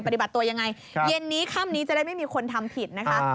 ปฏิบัติตัวยังไงเย็นนี้ค่ำนี้จะได้ไม่มีคนทำผิดนะคะ